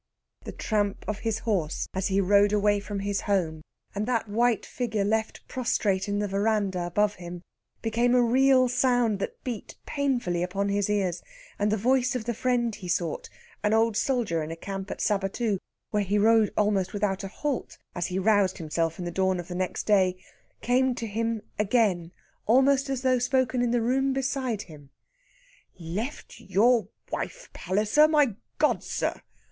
The tramp of his horse as he rode away from his home and that white figure left prostrate in the veranda above him, became a real sound that beat painfully upon his ears; and the voice of the friend he sought an old soldier in camp at Sabatoo, where he rode almost without a halt as he roused him in the dawn of the next day, came to him again almost as though spoken in the room beside him: "Left your wife, Palliser! My God, sir!